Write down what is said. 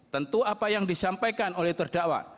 tentu apa yang disampaikan oleh terdakwa